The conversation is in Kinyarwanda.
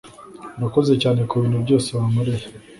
Urakoze cyane kubintu byose wankoreye.